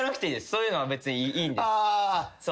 そういうのは別にいいんです。